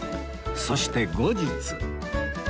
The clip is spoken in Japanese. そして後日